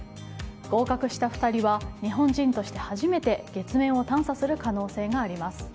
合格した２人は日本人として初めて月面を探査する可能性があります。